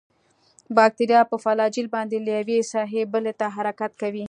باکتریا په فلاجیل باندې له یوې ساحې بلې ته حرکت کوي.